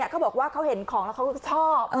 เขาบอกว่าเขาเห็นของแล้วเขาชอบ